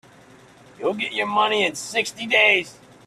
You'll get your money in sixty days.